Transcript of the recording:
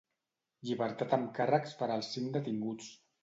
Llibertat amb càrrecs per als cinc detinguts.